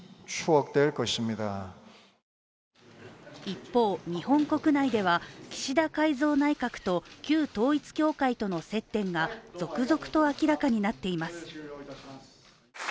一方、日本国内では岸田改造内閣と旧統一教会との接点が続々と明らかになっています。